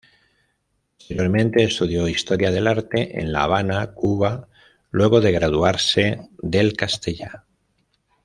Posteriormente estudió Historia del Arte en La Habana, Cuba, luego de graduarse del Castella.